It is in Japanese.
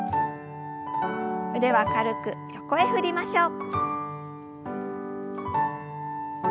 腕は軽く横へ振りましょう。